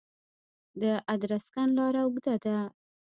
د ادرسکن لاره اوږده ده